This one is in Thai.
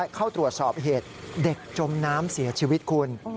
เข้าตรวจสอบเหตุเด็กจมน้ำเสียชีวิตคุณ